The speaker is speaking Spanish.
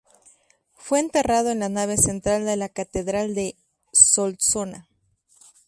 Fue enterrado en la nave central de la catedral de Solsona.